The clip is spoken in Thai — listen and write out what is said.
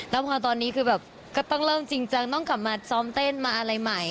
แล้วพอตอนนี้คือแบบก็ต้องเริ่มจริงจังต้องกลับมาซ้อมเต้นมาอะไรใหม่